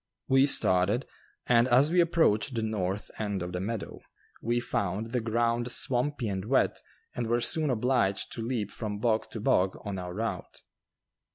We started, and as we approached the north end of the meadow we found the ground swampy and wet and were soon obliged to leap from bog to bog on our route.